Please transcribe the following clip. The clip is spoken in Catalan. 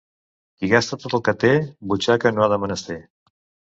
Qui gasta tot el que té, butxaca no ha de menester.